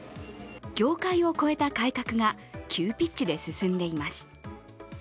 業界を超えた改革が急ピッチで進んでいます。